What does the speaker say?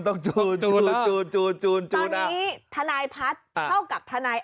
จูนจูนจูนจูนจูนจูนอันนี้ทนายพัฒน์เท่ากับทนาย